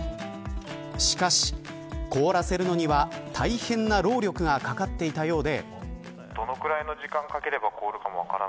しかし凍らせるのには大変な労力がかかっていたようで。